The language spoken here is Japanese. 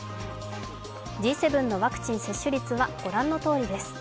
Ｇ７のワクチン接種率は御覧のとおりです。